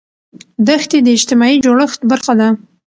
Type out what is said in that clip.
دښتې د اجتماعي جوړښت برخه ده.